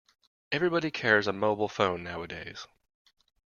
Everybody carries a mobile phone nowadays